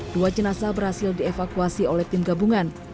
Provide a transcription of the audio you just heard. dua jenazah berhasil dievakuasi oleh tim gabungan